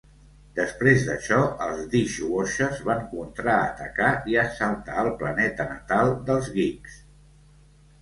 Després d'això, els Dishwashers van contraatacar i assaltar el planeta natal dels Geeks.